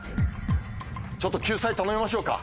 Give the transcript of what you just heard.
ちょっと救済頼みましょうか？